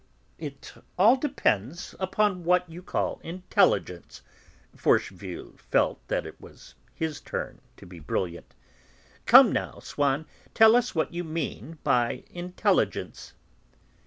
"It all depends upon what you call intelligence." Forcheville felt that it was his turn to be brilliant. "Come now, Swann, tell us what you mean by intelligence."